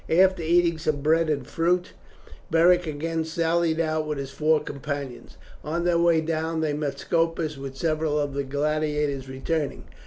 After eating some bread and fruit, Beric again sallied out with his four companions. On their way down they met Scopus with several of the gladiators returning.